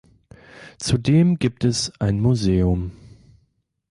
Zudem gibt es ein Museum.